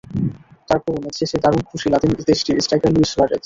তার পরও ম্যাচ শেষে দারুণ খুশি লাতিন দেশটির স্ট্রাইকার লুইস সুয়ারেজ।